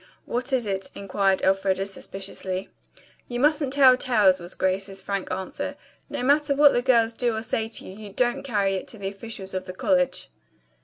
"What is it?" inquired Elfreda suspiciously. "You mustn't tell tales," was Grace's frank answer. "No matter what the girls do or say to you, don't carry it to the officials of the college."